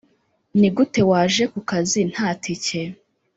Nigute waje ku kazi ntatike